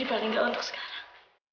aku ingin mencari kesalahan